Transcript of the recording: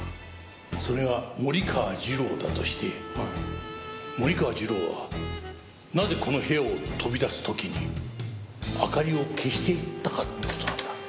それが森川次郎だとして森川次郎はなぜこの部屋を飛び出す時に明かりを消していったかって事なんだ。